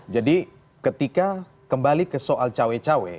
jadi ketika kembali ke soal cawe cawe